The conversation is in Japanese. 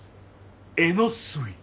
えのすい。